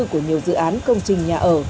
của nhiều dự án công trình nhà ở